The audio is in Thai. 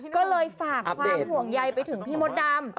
ก็เลยฝากความห่วงใยไปถึงพี่มดดำ